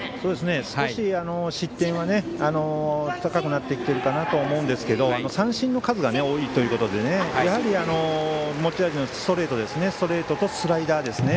少し失点は高くなってきているかなと思うんですけど三振の数が多いということでやはり持ち味のストレートとスライダーですね。